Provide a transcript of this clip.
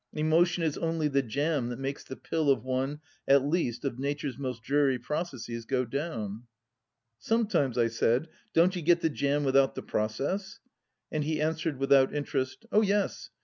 Emotion is only the jam that makes the pill of one at least of Nature's most dreary processes go down." " Sometimes," I said, " don't you get the jam without the process?" and he answered, without interest: "Oh yes.